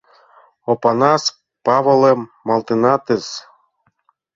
Опанас Павылым малтенатыс...